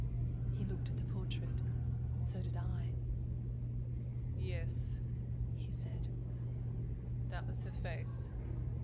He looked at the portrait. So did I. "Yes," he said, "that was her very face.